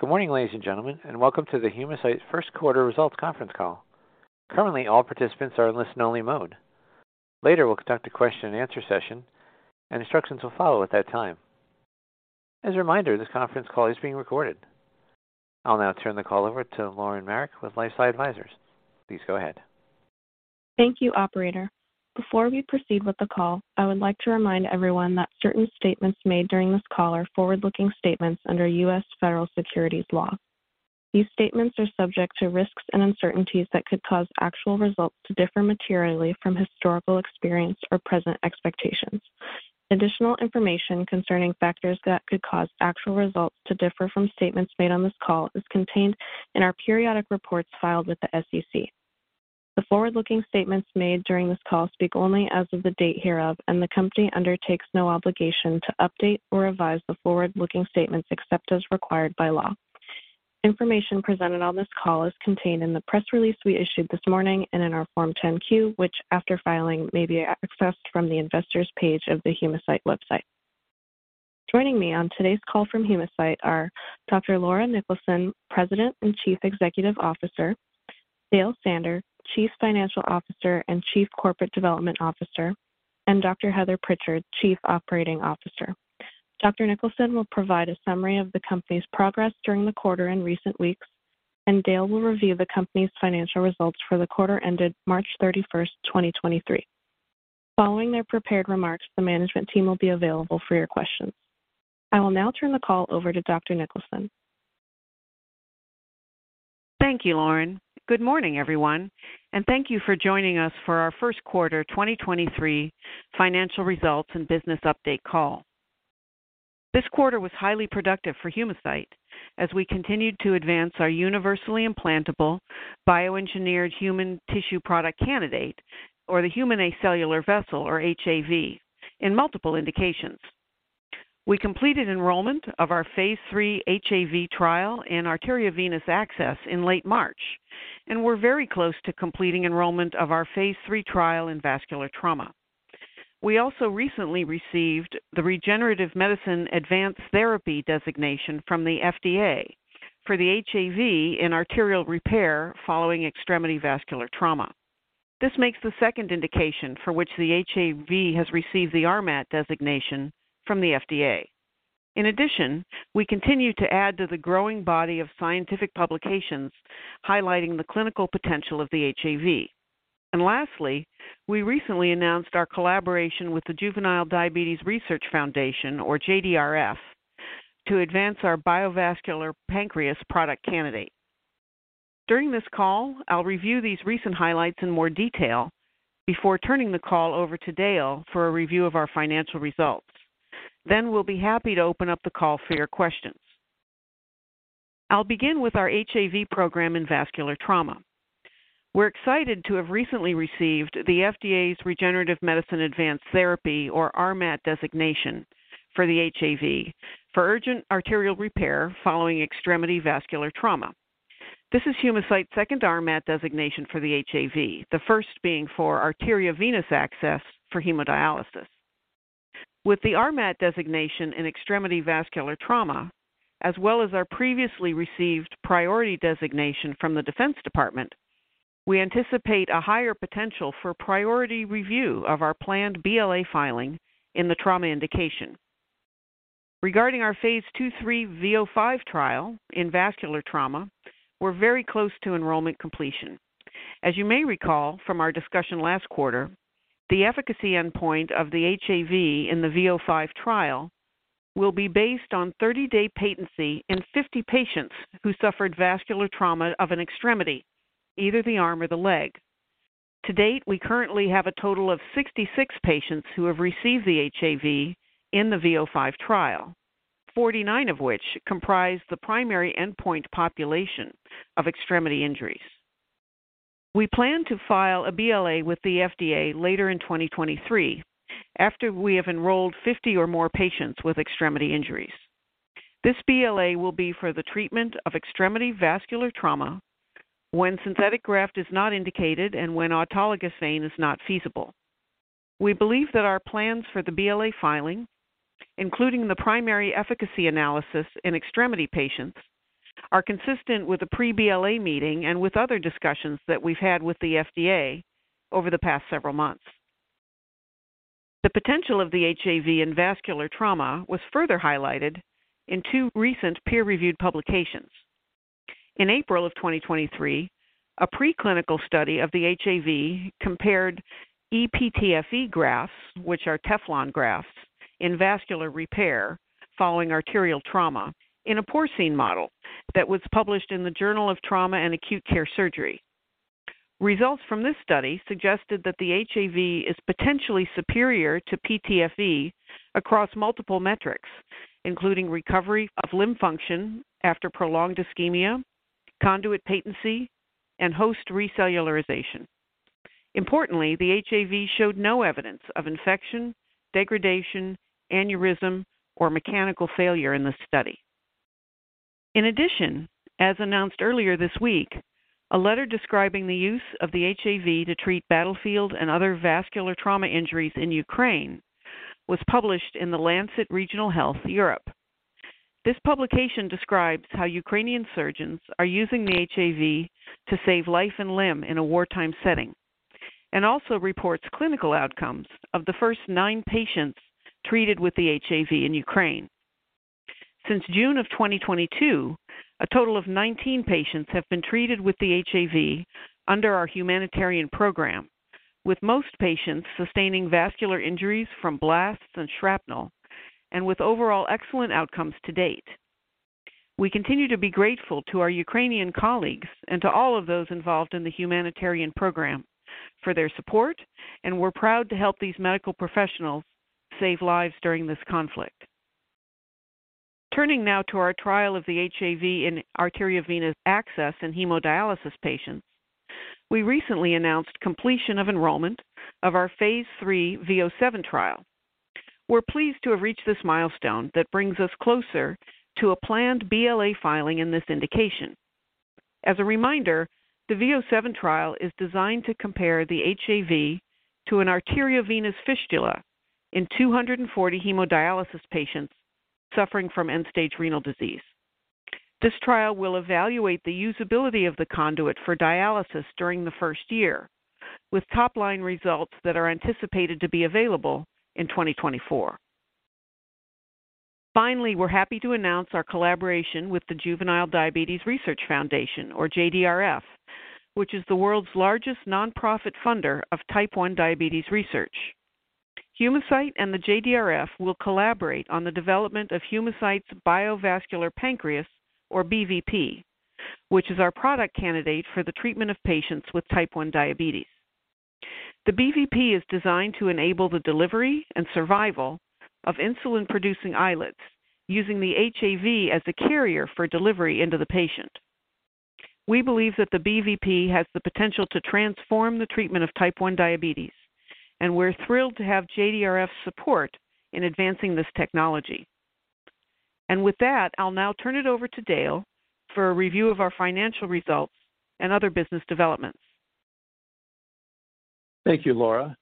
Good morning, ladies and gentlemen, and welcome to Humacyte's Q1 results conference call. Currently, all participants are in listen-only mode. Later, we'll conduct a question-and-answer session, and instructions will follow at that time. As a reminder, this conference call is being recorded. I'll now turn the call over to Lauren Marek with LifeSci Advisors. Please go ahead. Thank you, operator. Before we proceed with the call, I would like to remind everyone that certain statements made during this call are forward-looking statements under U.S. Federal Securities Law. These statements are subject to risks and uncertainties that could cause actual results to differ materially from historical experience or present expectations. Additional information concerning factors that could cause actual results to differ from statements made on this call is contained in our periodic reports filed with the SEC. The forward-looking statements made during this call speak only as of the date hereof. The company undertakes no obligation to update or revise the forward-looking statements except as required by law. Information presented on this call is contained in the press release we issued this morning and in our Form 10-Q, which after filing, may be accessed from the investor's page of the Humacyte website. Joining me on today's call from Humacyte are Dr. Laura Niklason, President and Chief Executive Officer, Dale Sander, Chief Financial Officer and Chief Corporate Development Officer, and Dr. Heather Prichard, Chief Operating Officer. Dr. Niklason will provide a summary of the company's progress during the quarter in recent weeks. Dale will review the company's financial results for the quarter ended March 31st, 2023. Following their prepared remarks, the management team will be available for your questions. I will now turn the call over to Dr. Niklason. Thank you, Lauren. Good morning, everyone, and thank you for joining us for our Q1 2023 financial results and business update call. This quarter was highly productive for Humacyte as we continued to advance our universally implantable bioengineered human tissue product candidate, or the Human Acellular Vessel or HAV, in multiple indications. We completed enrollment of our phase 3 HAV trial in arteriovenous access in late March, and we're very close to completing enrollment of our phase 3 trial in vascular trauma. We also recently received the Regenerative Medicine Advanced Therapy designation from the FDA for the HAV in arterial repair following extremity vascular trauma. This makes the second indication for which the HAV has received the RMAT designation from the FDA. In addition, we continue to add to the growing body of scientific publications highlighting the clinical potential of the HAV. Lastly, we recently announced our collaboration with the Juvenile Diabetes Research Foundation, or JDRF, to advance our Biovascular Pancreas product candidate. During this call, I'll review these recent highlights in more detail before turning the call over to Dale for a review of our financial results. We'll be happy to open up the call for your questions. I'll begin with our HAV program in vascular trauma. We're excited to have recently received the FDA's Regenerative Medicine Advanced Therapy, or RMAT designation for the HAV for urgent arterial repair following extremity vascular trauma. This is Humacyte's second RMAT designation for the HAV, the first being for arteriovenous access for hemodialysis. With the RMAT designation in extremity vascular trauma, as well as our previously received priority designation from the Defense Department, we anticipate a higher potential for priority review of our planned BLA filing in the trauma indication. Regarding our phase 2/3 V005 trial in vascular trauma, we're very close to enrollment completion. As you may recall from our discussion last quarter, the efficacy endpoint of the HAV in the V005 trial will be based on 30-day patency in 50 patients who suffered vascular trauma of an extremity, either the arm or the leg. To date, we currently have a total of 66 patients who have received the HAV in the V005 trial, 49 of which comprise the primary endpoint population of extremity injuries. We plan to file a BLA with the FDA later in 2023 after we have enrolled 50 or more patients with extremity injuries. This BLA will be for the treatment of extremity vascular trauma when synthetic graft is not indicated and when an autologous vein is not feasible. We believe that our plans for the BLA filing, including the primary efficacy analysis in extremity patients, are consistent with the pre-BLA meeting and with other discussions that we've had with the FDA over the past several months. The potential of the HAV in vascular trauma was further highlighted in 2 recent peer-reviewed publications. In April of 2023, a preclinical study of the HAV compared ePTFE grafts, which are Teflon grafts, in vascular repair following arterial trauma in a porcine model that was published in The Journal of Trauma and Acute Care Surgery. Results from this study suggested that the HAV is potentially superior to PTFE across multiple metrics, including recovery of limb function after prolonged ischemia, conduit patency, and host recellularization. Importantly, the HAV showed no evidence of infection, degradation, aneurysm, or mechanical failure in the study. In addition, as announced earlier this week, a letter describing the use of the HAV to treat battlefield and other vascular trauma injuries in Ukraine was published in The Lancet Regional Health – Europe. This publication describes how Ukrainian surgeons are using the HAV to save life and limb in a wartime setting, and also reports clinical outcomes of the first nine patients treated with the HAV in Ukraine. Since June of 2022, a total of 19 patients have been treated with the HAV under our humanitarian program, with most patients sustaining vascular injuries from blasts and shrapnel, and with overall excellent outcomes to date. We continue to be grateful to our Ukrainian colleagues and to all of those involved in the humanitarian program for their support, and we're proud to help these medical professionals save lives during this conflict. Turning now to our trial of the HAV in arteriovenous access in hemodialysis patients. We recently announced the completion of enrollment of our phase 3 V007 trial. We're pleased to have reached this milestone that brings us closer to a planned BLA filing in this indication. As a reminder, the V007 trial is designed to compare the HAV to an arteriovenous fistula in 240 hemodialysis patients suffering from end-stage renal disease. This trial will evaluate the usability of the conduit for dialysis during the first year, with top-line results that are anticipated to be available in 2024. We're happy to announce our collaboration with the Juvenile Diabetes Research Foundation, or JDRF, which is the world's largest nonprofit funder of type 1 diabetes research. Humacyte and the JDRF will collaborate on the development of Humacyte's Biovascular Pancreas, or BVP, which is our product candidate for the treatment of patients with type 1 diabetes. The BVP is designed to enable the delivery and survival of insulin-producing islets using the HAV as the carrier for delivery into the patient. We believe that the BVP has the potential to transform the treatment of type 1 diabetes. We're thrilled to have JDRF's support in advancing this technology. With that, I'll now turn it over to Dale for a review of our financial results and other business developments. Thank you, Laura.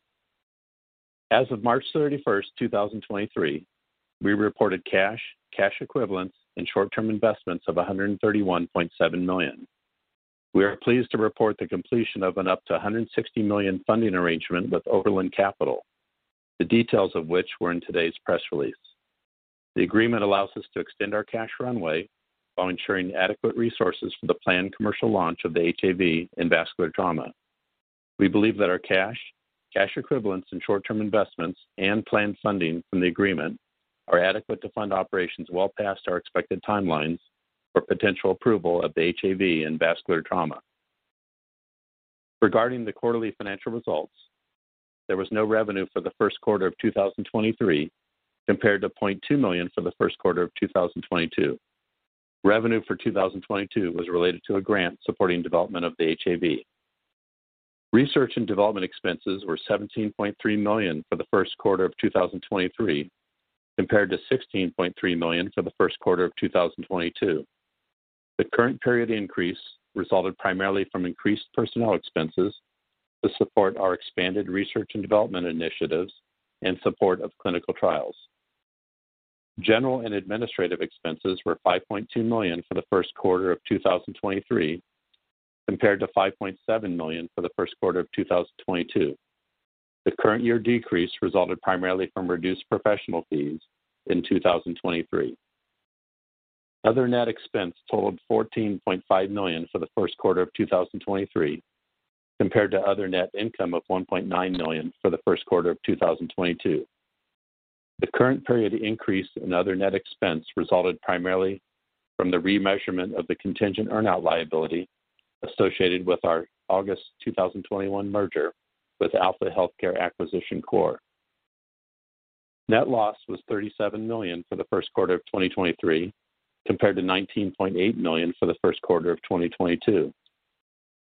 As of March 31, 2023, we reported cash equivalents and short-term investments of $131.7 million. We are pleased to report the completion of an up to $160 million funding arrangement with Oberland Capital, the details of which were in today's press release. The agreement allows us to extend our cash runway while ensuring adequate resources for the planned commercial launch of the HAV in vascular trauma. We believe that our cash equivalents and short-term investments and planned funding from the agreement are adequate to fund operations well past our expected timelines for potential approval of the HAV in vascular trauma. Regarding the quarterly financial results, there was no revenue for the Q1 of 2023 compared to $0.2 million for the Q1 of 2022. Revenue for 2022 was related to a grant supporting development of the HAV. Research and development expenses were $17.3 million for the Q1 of 2023, compared to $16.3 million for the Q1 of 2022. The current period increase resulted primarily from increased personnel expenses to support our expanded research and development initiatives in support of clinical trials. General and administrative expenses were $5.2 million for the Q1 of 2023, compared to $5.7 million for the Q1 of 2022. The current year decrease resulted primarily from reduced professional fees in 2023. Other net expense totaled $14.5 million for the Q1 of 2023, compared to other net income of $1.9 million for the Q1 of 2022. The current period increase in other net expense resulted primarily from the remeasurement of the contingent earnout liability associated with our August 2021 merger with Alpha Healthcare Acquisition Corp. Net loss was $37 million for the Q1 of 2023, compared to $19.8 million for the Q1 of 2022.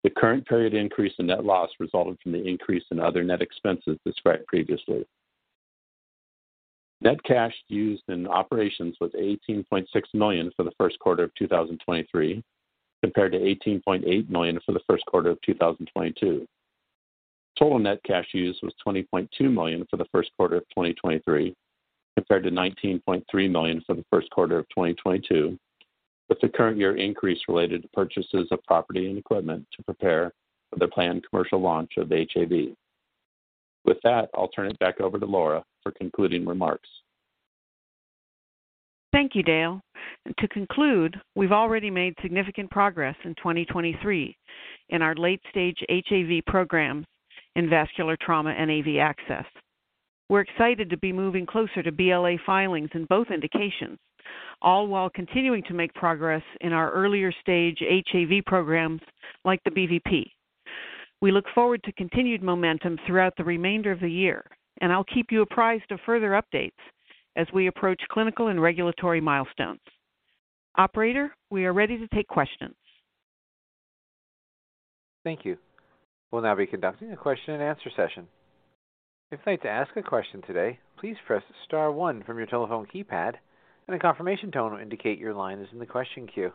The current period increase in net loss resulted from the increase in other net expenses described previously. Net cash used in operations was $18.6 million for the Q1 of 2023, compared to $18.8 million for the Q1 of 2022. Total net cash used was $20.2 million for the Q1 of 2023, compared to $19.3 million for the Q1 of 2022, with the current year increase related to purchases of property and equipment to prepare for the planned commercial launch of the HAV. With that, I'll turn it back over to Laura for concluding remarks. Thank you, Dale. To conclude, we've already made significant progress in 2023 in our late-stage HAV program in vascular trauma and AV access. We're excited to be moving closer to BLA filings in both indications, all while continuing to make progress in our earlier-stage HAV programs like the BVP. We look forward to continued momentum throughout the remainder of the year, and I'll keep you apprised of further updates as we approach clinical and regulatory milestones. Operator, we are ready to take questions. Thank you. We'll now be conducting a question and answer session. If you'd like to ask a question today, please press star one from your telephone keypad and a confirmation tone will indicate your line is in the question queue.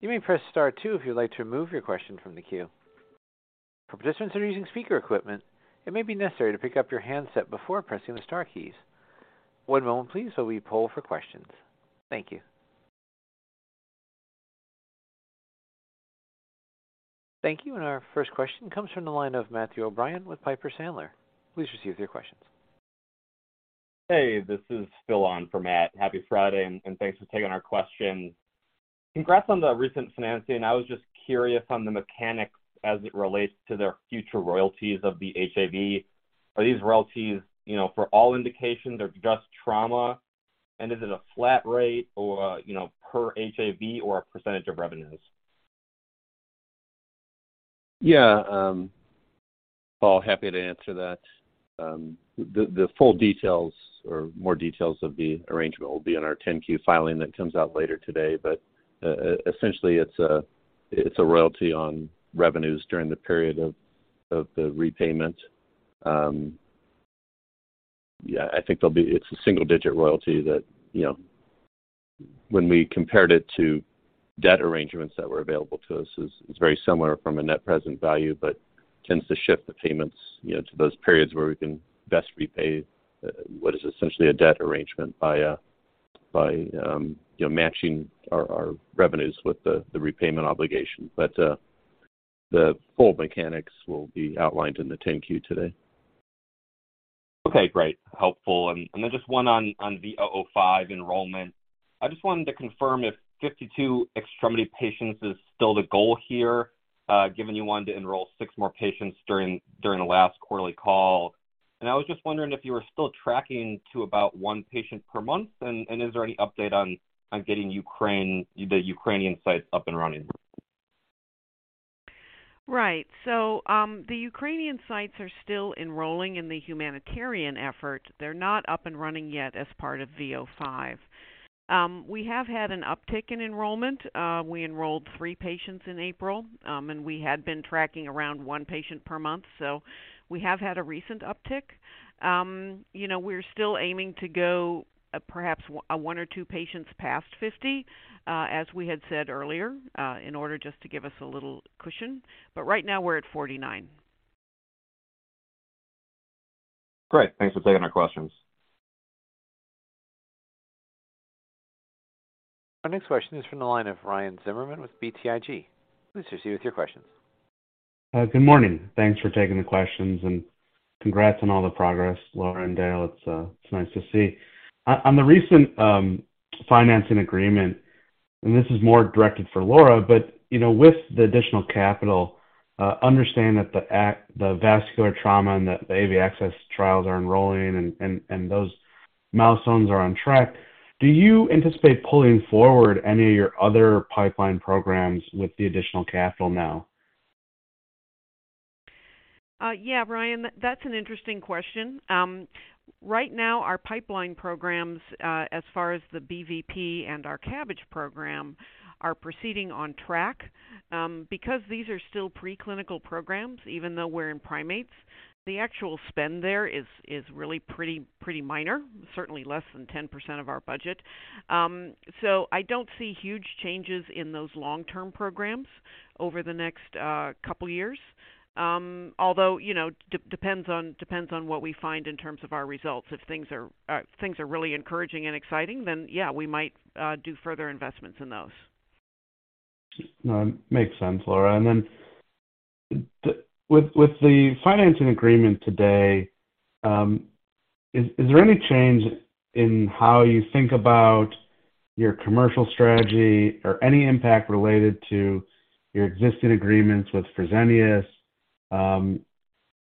You may press star two if you'd like to remove your question from the queue. For participants that are using speaker equipment, it may be necessary to pick up your handset before pressing the star keys. One moment please while we poll for questions. Thank you. Thank you. Our first question comes from the line of Matthew O'Brien with Piper Sandler. Please proceed with your questions. Hey, this is Phil on for Matt. Happy Friday and thanks for taking our question. Congrats on the recent financing. I was just curious on the mechanics as it relates to their future royalties of the HAV. Are these royalties, you know, for all indications or just trauma? Is it a flat rate or, you know, per HAV or a percentage of revenues? Paul, happy to answer that. The full details or more details of the arrangement will be in our Form 10-Q filing that comes out later today. Essentially it's a royalty on revenues during the period of the repayment. It's a single-digit royalty that, you know, when we compared it to debt arrangements that were available to us, is very similar from a net present value, tends to shift the payments, you know, to those periods where we can best repay what is essentially a debt arrangement by matching our revenues with the repayment obligation. The full mechanics will be outlined in the Form 10-Q today. Okay, great. Helpful. Then just one on V005 enrollment. I just wanted to confirm if 52 extremity patients is still the goal here, given you wanted to enroll 6 more patients during the last quarterly call. I was just wondering if you were still tracking to about 1 patient per month. Is there any update on getting Ukraine, the Ukrainian sites up and running? Right. The Ukrainian sites are still enrolling in the humanitarian effort. They're not up and running yet as part of V005. We have had an uptick in enrollment. We enrolled 3 patients in April, and we had been tracking around 1 patient per month. We have had a recent uptick. You know, we're still aiming to go perhaps 1 or 2 patients past 50, as we had said earlier, in order just to give us a little cushion. Right now we're at 49. Great. Thanks for taking our questions. Our next question is from the line of Ryan Zimmerman with BTIG. Please proceed with your questions. Good morning. Thanks for taking the questions, and congrats on all the progress, Laura and Dale. It's nice to see. On the recent financing agreement, and this is more directed for Laura, but, you know, with the additional capital, understand that the vascular trauma and the AV access trials are enrolling and those milestones are on track. Do you anticipate pulling forward any of your other pipeline programs with the additional capital now? Yeah, Ryan, that's an interesting question. Right now our pipeline programs, as far as the BVP and our CABG program are proceeding on track. Because these are still preclinical programs, even though we're in primates, the actual spend there is really pretty minor. Certainly less than 10% of our budget. I don't see huge changes in those long-term programs over the next couple years. Although, you know, it depends on what we find in terms of our results. If things are really encouraging and exciting, then yeah, we might do further investments in those. No, makes sense, Laura. Then with the financing agreement today, is there any change in how you think about your commercial strategy or any impact related to your existing agreements with Fresenius? I'm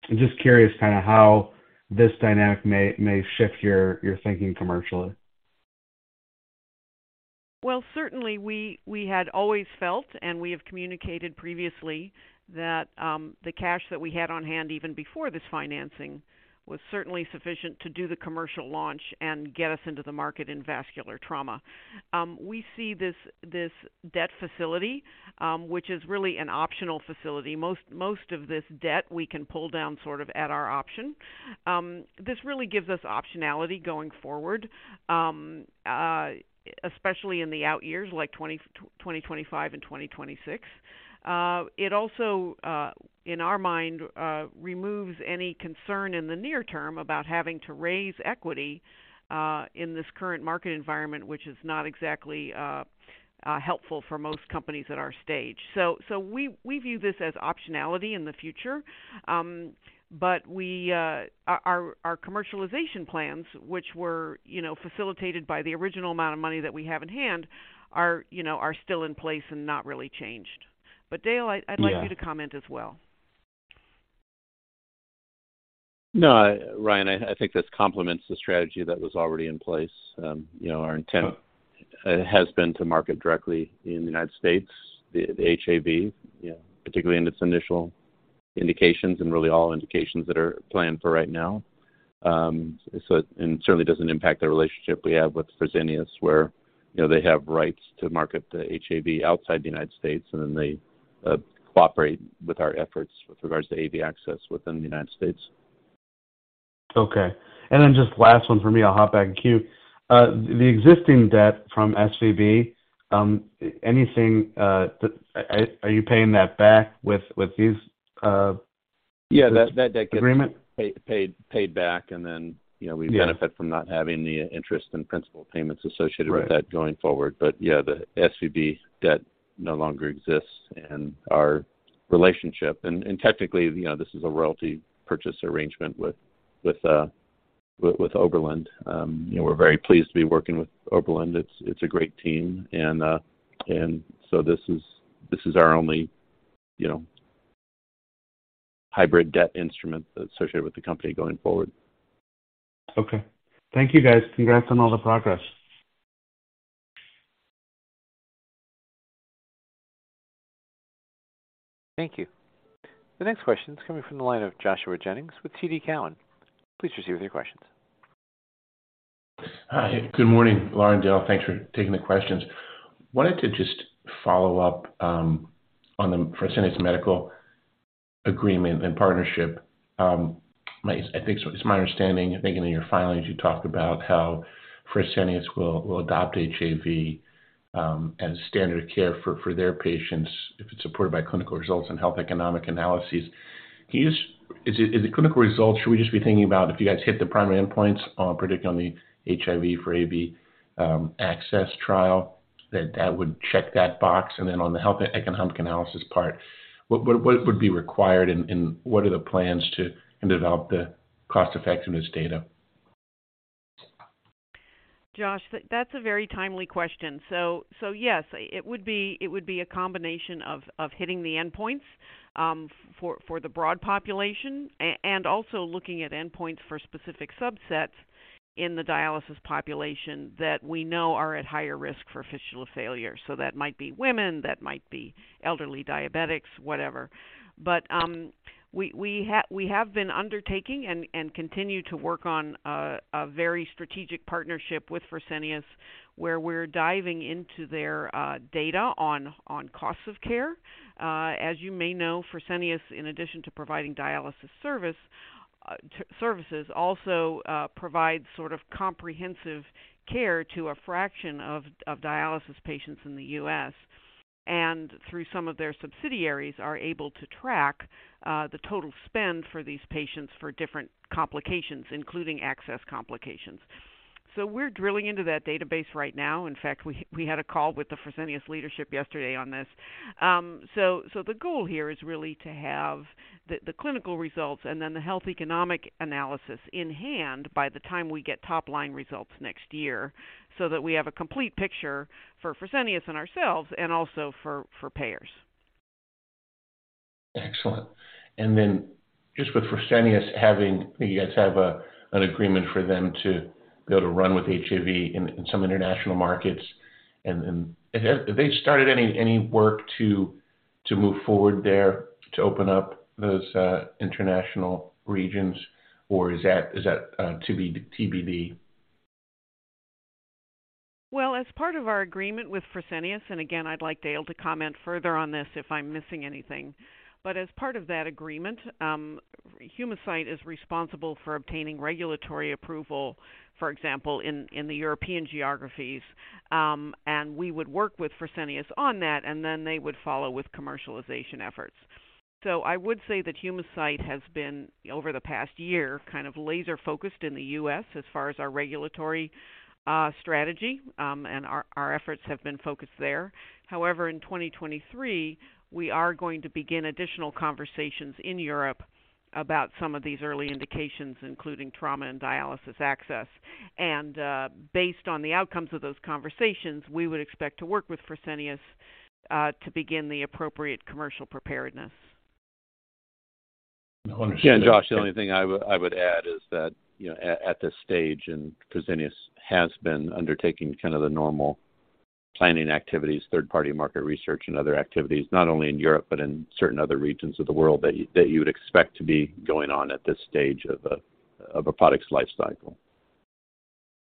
just curious kind of how this dynamic may shift your thinking commercially. Certainly we had always felt, and we have communicated previously that the cash that we had on hand even before this financing was certainly sufficient to do the commercial launch and get us into the market in vascular trauma. We see this debt facility, which is really an optional facility. Most of this debt we can pull down sort of at our option. This really gives us optionality going forward, especially in the out years like 2025 and 2026. It also, in our mind, removes any concern in the near term about having to raise equity in this current market environment, which is not exactly helpful for most companies at our stage. We view this as optionality in the future. We, our commercialization plans, which were, you know, facilitated by the original amount of money that we have in hand are, you know, are still in place and not really changed. Dale, I'd like you to comment as well. No, Ryan, I think this complements the strategy that was already in place. you know, our intent has been to market directly in the United States, the HAV, you know, particularly in its initial indications and really all indications that are planned for right now. Certainly doesn't impact the relationship we have with Fresenius where, you know, they have rights to market the HAV outside the United States and then they cooperate with our efforts with regards to AV access within the United States. Okay. Just last one for me, I'll hop back in queue. The existing debt from SVB, anything, are you paying that back with these? Yeah. -agreement? get paid back, and then, you know. Yeah. we benefit from not having the interest and principal payments associated- Right. with that going forward. Yeah, the SVB debt no longer exists in our relationship. Technically, you know, this is a royalty purchase arrangement with Oberland. You know, we're very pleased to be working with Oberland. It's a great team. This is our only, you know, hybrid debt instrument associated with the company going forward. Okay. Thank you, guys. Congrats on all the progress. Thank you. The next question is coming from the line of Joshua Jennings with TD Cowen. Please proceed with your questions. Hi. Good morning, Laura and Dale. Thanks for taking the questions. Wanted to just follow up on the Fresenius Medical agreement and partnership. I think it's my understanding, I think in your filings, you talked about how Fresenius will adopt HAV as standard care for their patients if it's supported by clinical results and health economic analyses. Is the clinical results, should we just be thinking about if you guys hit the primary endpoints on predicting on the HAV for AV access trial that that would check that box? Then on the health economic analysis part, what would be required and what are the plans to develop the cost-effectiveness data? Josh, that's a very timely question. Yes, it would be a combination of hitting the endpoints for the broad population and also looking at endpoints for specific subsets in the dialysis population that we know are at higher risk for fistula failure. That might be women, that might be elderly diabetics, whatever. We have been undertaking and continue to work on a very strategic partnership with Fresenius, where we're diving into their data on costs of care. As you may know, Fresenius, in addition to providing dialysis service also provides sort of comprehensive care to a fraction of dialysis patients in the U.S. Through some of their subsidiaries are able to track the total spend for these patients for different complications, including access complications. We're drilling into that database right now. In fact, we had a call with the Fresenius leadership yesterday on this. The goal here is really to have the clinical results and then the health economic analysis in hand by the time we get top-line results next year, so that we have a complete picture for Fresenius and ourselves and also for payers. Excellent. Just with Fresenius, you guys have an agreement for them to be able to run with HAV in some international markets and then have they started any work to move forward there to open up those international regions, or is that TBD? Well, as part of our agreement with Fresenius, and again, I'd like Dale to comment further on this if I'm missing anything. As part of that agreement, Humacyte is responsible for obtaining regulatory approval, for example, in the European geographies. We would work with Fresenius on that, then they would follow with commercialization efforts. I would say that Humacyte has been, over the past year, kind of laser-focused in the U.S. as far as our regulatory strategy, and our efforts have been focused there. However, in 2023, we are going to begin additional conversations in Europe about some of these early indications, including trauma and dialysis access. Based on the outcomes of those conversations, we would expect to work with Fresenius to begin the appropriate commercial preparedness. Yeah. Josh, the only thing I would add is that, you know, at this stage, Fresenius has been undertaking kind of the normal planning activities, third-party market research and other activities, not only in Europe, but in certain other regions of the world that you would expect to be going on at this stage of a product's life cycle.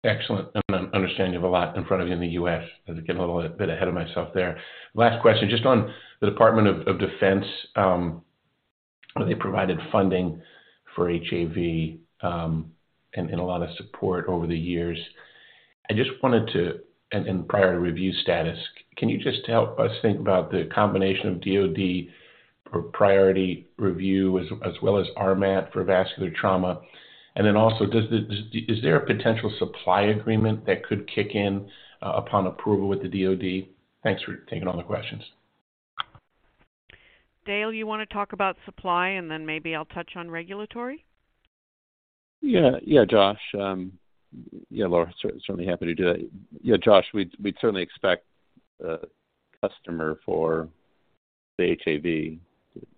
Excellent. I understand you have a lot in front of you in the U.S. Getting a little bit ahead of myself there. Last question, just on the Department of Defense, they provided funding for HAV, a lot of support over the years. Prior to review status, can you just help us think about the combination of DoD priority review as well as RMAT for vascular trauma? Then also, is there a potential supply agreement that could kick in upon approval with the DoD? Thanks for taking all the questions. Dale, you want to talk about supply, and then maybe I'll touch on regulatory? Yeah. Yeah, Josh. Yeah, Laura, certainly happy to do that. Yeah, Josh, we'd certainly expect a customer for the HAV,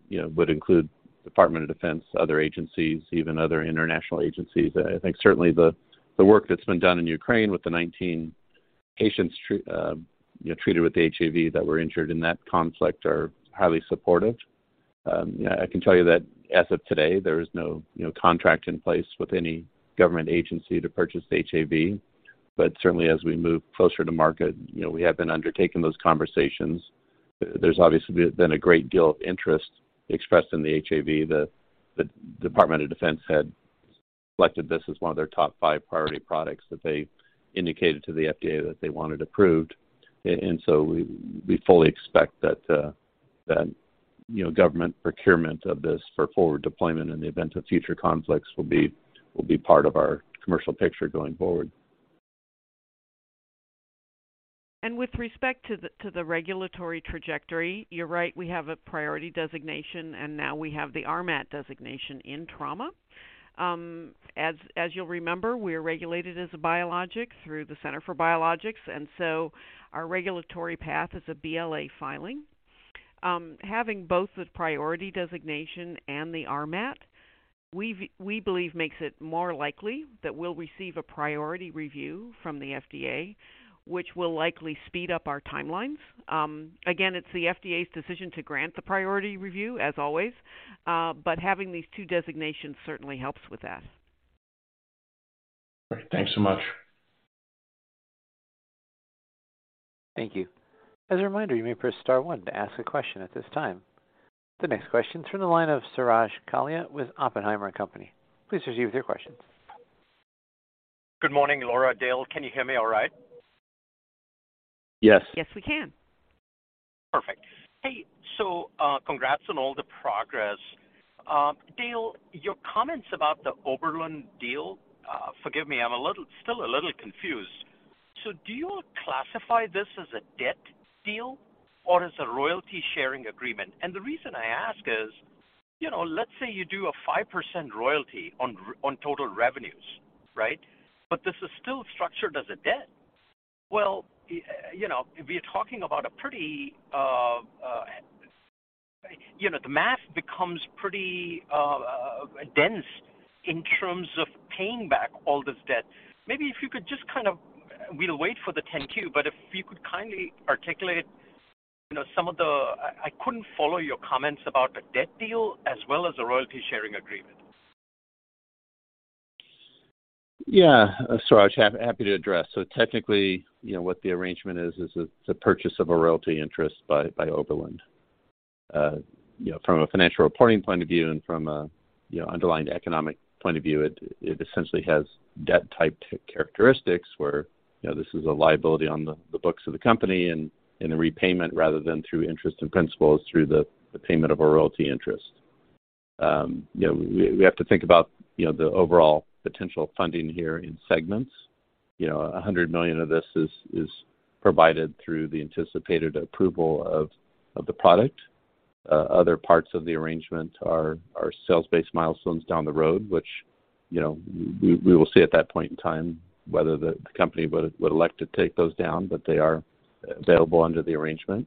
you know, would include Department of Defense, other agencies, even other international agencies. I think certainly the work that's been done in Ukraine with the 19 patients treated with the HAV that were injured in that conflict are highly supportive. Yeah, I can tell you that as of today, there is no, you know, contract in place with any government agency to purchase HAV. Certainly as we move closer to market, you know, we have been undertaking those conversations. There's obviously been a great deal of interest expressed in the HAV. The Department of Defense had selected this as one of their top five priority products that they indicated to the FDA that they wanted approved. We fully expect that, you know, government procurement of this for forward deployment in the event of future conflicts will be part of our commercial picture going forward. With respect to the regulatory trajectory, you're right, we have a priority designation, and now we have the RMAT designation in trauma. As you'll remember, we are regulated as a biologic through the Center for Biologics. Our regulatory path is a BLA filing. Having both the priority designation and the RMAT, we believe makes it more likely that we'll receive a priority review from the FDA, which will likely speed up our timelines. Again, it's the FDA's decision to grant the priority review as always. Having these two designations certainly helps with that. Great. Thanks so much. Thank you. As a reminder, you may press star one to ask a question at this time. The next question is from the line of Suraj Kalia with Oppenheimer & Co. Inc. Please proceed with your question. Good morning, Laura, Dale. Can you hear me all right? Yes. Yes, we can. Perfect. Hey, so, congrats on all the progress. Dale, your comments about the Oberland deal, forgive me, still a little confused. Do you classify this as a debt deal or as a royalty sharing agreement? The reason I ask is, you know, let's say you do a 5% royalty on total revenues, right? This is still structured as a debt. You know, we are talking about a pretty, you know, the math becomes pretty dense in terms of paying back all this debt. Maybe if you could just. We'll wait for the Form 10-Q, if you could kindly articulate, you know, I couldn't follow your comments about the debt deal as well as the royalty sharing agreement. Yeah. Suraj, happy to address. Technically, you know, what the arrangement is it's a purchase of a royalty interest by Oberland. You know, from a financial reporting point of view and from a, you know, underlying economic point of view, it essentially has debt-type characteristics where, you know, this is a liability on the books of the company and a repayment, rather than through interest and principals, through the payment of a royalty interest. You know, we have to think about, you know, the overall potential funding here in segments. You know, $100 million of this is provided through the anticipated approval of the product. Other parts of the arrangement are sales-based milestones down the road, which, you know, we will see at that point in time whether the company would elect to take those down, but they are available under the arrangement.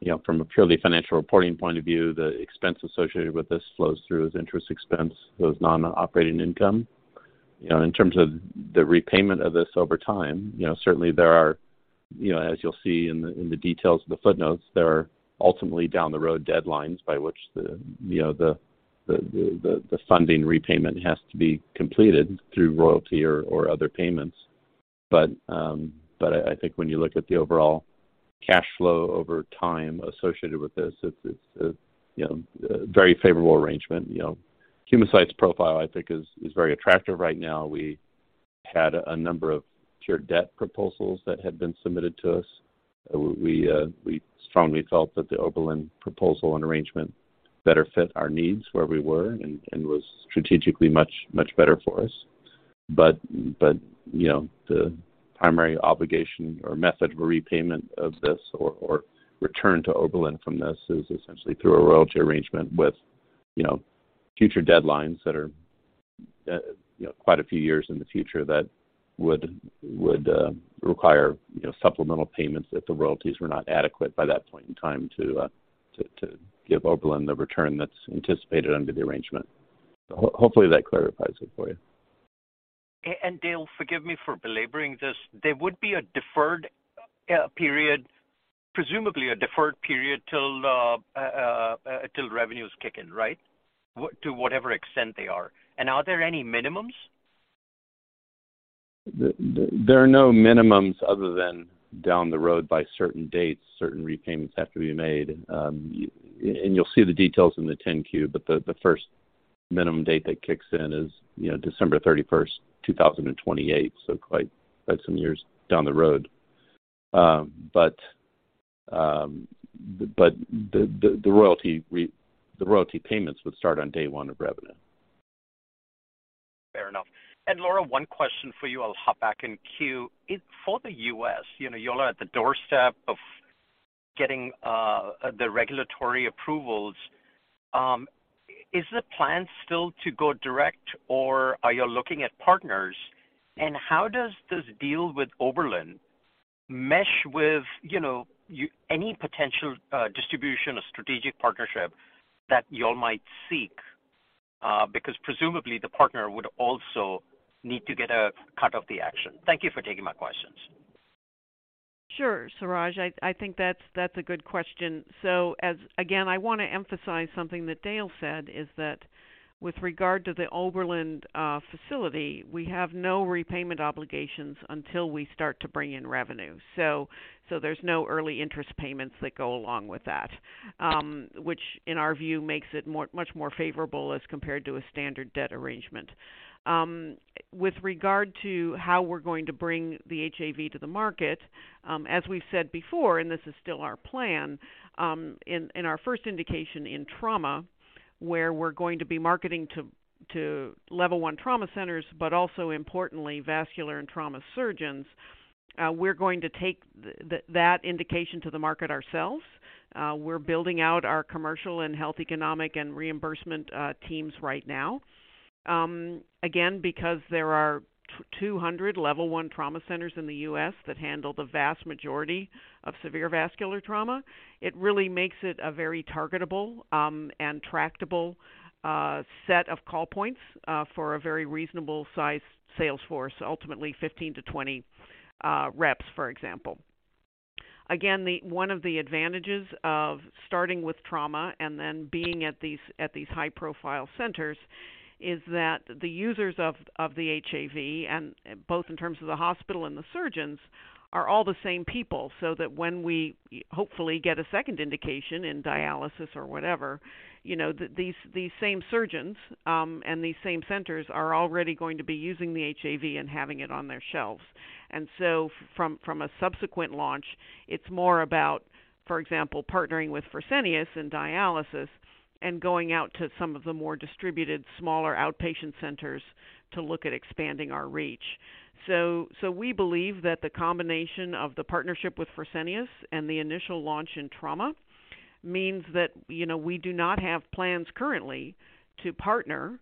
You know, from a purely financial reporting point of view, the expense associated with this flows through as interest expense, the non-operating income. You know, in terms of the repayment of this over time, you know, certainly there are, you know, as you'll see in the, in the details of the footnotes, there are ultimately down the road deadlines by which the, you know, the funding repayment has to be completed through royalty or other payments. I think when you look at the overall cash flow over time associated with this, it's a, you know, a very favorable arrangement. You know, Humacyte's profile, I think, is very attractive right now. We had a number of pure debt proposals that had been submitted to us. We strongly felt that the Oberland proposal and arrangement better fit our needs where we were and was strategically much better for us. You know, the primary obligation or method of repayment of this or return to Oberland from this is essentially through a royalty arrangement with, you know, future deadlines that are, you know, quite a few years in the future that would require, you know, supplemental payments if the royalties were not adequate by that point in time to give Oberland the return that's anticipated under the arrangement. Hopefully, that clarifies it for you. Dale, forgive me for belaboring this. There would be a deferred period, presumably a deferred period till revenues kick in, right? To whatever extent they are. Are there any minimums? There are no minimums other than down the road by certain dates, certain repayments have to be made. You'll see the details in the Form 10-Q, but the first minimum date that kicks in is, you know, December thirty-first, 2028, so quite some years down the road. The royalty payments would start on day one of revenue. Fair enough. Laura, one question for you. I'll hop back in queue. For the U.S., you know, you're at the doorstep of getting the regulatory approvals. Is the plan still to go direct or are you looking at partners? How does this deal with Oberland mesh with, you know, any potential distribution or strategic partnership that you all might seek? Because presumably the partner would also need to get a cut of the action. Thank you for taking my question. Sure, Suraj, I think that's a good question. Again, I wanna emphasize something that Dale said, is that with regard to the Oberland facility, we have no repayment obligations until we start to bring in revenue. There's no early interest payments that go along with that, which in our view makes it much more favorable as compared to a standard debt arrangement. With regard to how we're going to bring the HAV to the market, as we've said before, and this is still our plan, in our first indication in trauma, where we're going to be marketing to level one trauma centers, but also importantly, vascular and trauma surgeons, we're going to take that indication to the market ourselves. We're building out our commercial and health economic and reimbursement teams right now. Again, because there are 200 level one trauma centers in the U.S. that handle the vast majority of severe vascular trauma, it really makes it a very targetable, and tractable, set of call points, for a very reasonable sized sales force, ultimately 15-20 reps, for example. Again, one of the advantages of starting with trauma and then being at these high-profile centers is that the users of the HAV and both in terms of the hospital and the surgeons, are all the same people, so that when we hopefully get a second indication in dialysis or whatever, you know, these same surgeons, and these same centers are already going to be using the HAV and having it on their shelves. From a subsequent launch, it's more about, for example, partnering with Fresenius in dialysis and going out to some of the more distributed smaller outpatient centers to look at expanding our reach. We believe that the combination of the partnership with Fresenius and the initial launch in trauma means that, you know, we do not have plans currently to partner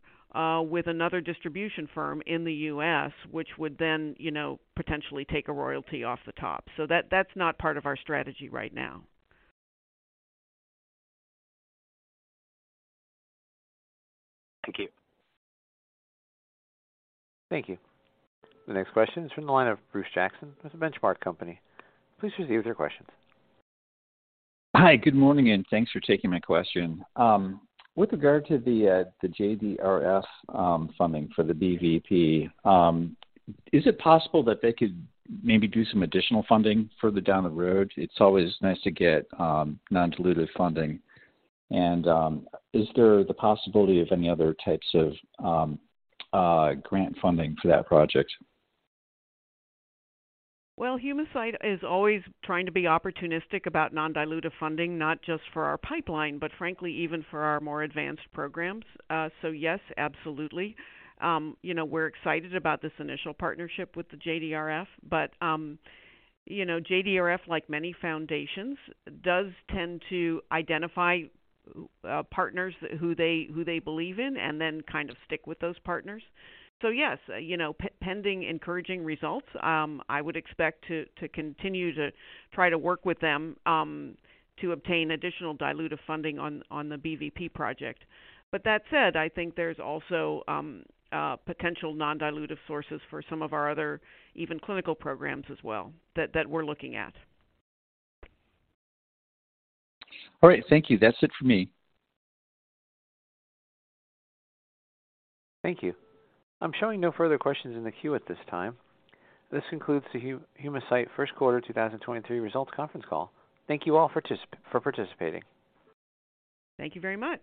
with another distribution firm in the U.S., which would then, you know, potentially take a royalty off the top. That's not part of our strategy right now. Thank you. Thank you. The next question is from the line of Bruce Jackson with Benchmark Company. Please proceed with your question. Hi, good morning, and thanks for taking my question. With regard to the JDRF funding for the BVP, is it possible that they could maybe do some additional funding further down the road? It's always nice to get non-dilutive funding. Is there the possibility of any other types of grant funding for that project? Well, Humacyte is always trying to be opportunistic about non-dilutive funding, not just for our pipeline, but frankly even for our more advanced programs. Yes, absolutely. You know, we're excited about this initial partnership with the JDRF, you know, JDRF, like many foundations, does tend to identify partners who they believe in and then kind of stick with those partners. Yes, you know, pending encouraging results, I would expect to continue to try to work with them to obtain additional dilutive funding on the BVP project. That said, I think there's also potential non-dilutive sources for some of our other even clinical programs as well that we're looking at. All right. Thank you. That's it for me. Thank you. I'm showing no further questions in the queue at this time. This concludes the Humacyte Q1 2023 results conference call. Thank you all for participating. Thank you very much.